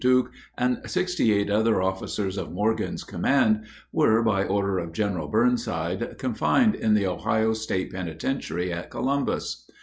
Duke, and sixty eight other officers of Morgan's command, were, by order of General Burnside, confined in the Ohio State Penitentiary at Columbus.